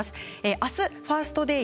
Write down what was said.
あす「ファースト・デイ」